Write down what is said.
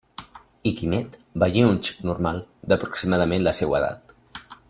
I Quimet veié un xic normal d'aproximadament la seua edat.